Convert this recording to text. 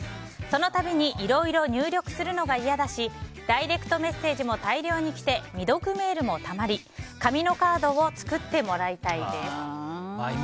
その度にいろいろ入力するのが嫌だしダイレクトメッセージが大量に来て、未読メールもたまり紙のカードを作ってもらいたいです。